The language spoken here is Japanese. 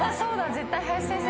絶対林先生。